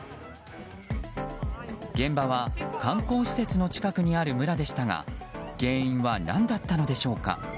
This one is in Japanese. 現場は観光施設の近くにある村でしたが原因は何だったのでしょうか。